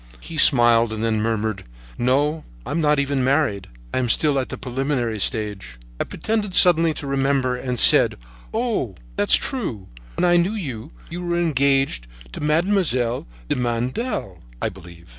He smiled and then murmured: "No, I am not even married. I am still at the preliminary stage." I pretended suddenly to remember, and said: "Oh! that's true! When I knew you, you were engaged to Mademoiselle de Mandel, I believe."